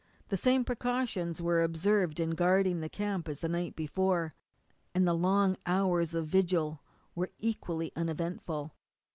The same precautions were observed in guarding the camp as the night before, and the long hours of vigil were equally uneventful.